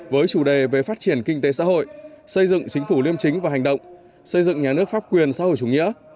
với chủ đề về phát triển kinh tế xã hội xây dựng chính phủ liêm chính và hành động xây dựng nhà nước pháp quyền xã hội chủ nghĩa